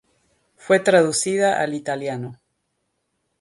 Fue traducida al italiano.